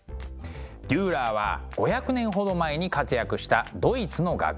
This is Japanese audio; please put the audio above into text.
デューラーは５００年ほど前に活躍したドイツの画家。